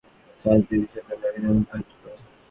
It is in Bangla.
সাধিত বিশেষণ ব্যকরণগতভাবে বিভাজ্য।